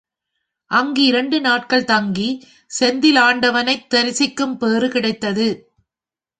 அங்கு இரண்டு நாட்கள் தங்கி செந்திலாண்டவனைத் தரிசிக்கும் பேறும் கிடைத்தது.